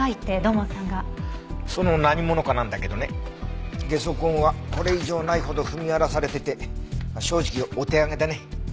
その「何者か」なんだけどねゲソ痕はこれ以上ないほど踏み荒らされてて正直お手上げだね。